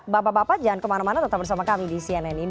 bapak bapak jangan kemana mana tetap bersama kami di cnn indonesia